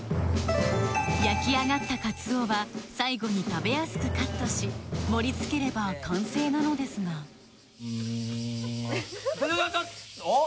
焼き上がったカツオは最後に食べやすくカットし盛り付ければ完成なのですがおっ！